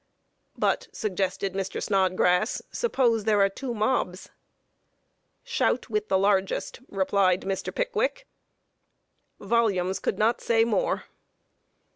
"But," suggested Mr. Snodgrass, "suppose there are two mobs?" "Shout with the largest," replied Mr. Pickwick. Volumes could not say more.